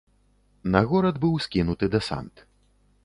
На горад быў скінуты дэсант.